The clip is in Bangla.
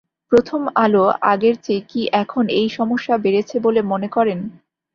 প্রথম আলো আগের চেয়ে কি এখন এই সমস্যা বেড়েছে বলে মনে করেন?